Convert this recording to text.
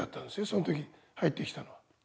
その時に入ってきたのは。